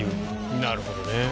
なるほどね。